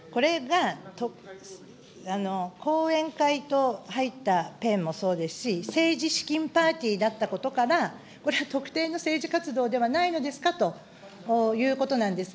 いや、これが後援会等、入ったペンもそうですし、政治資金パーティーだったことから、これは特定の政治活動ではないのですかということなんです。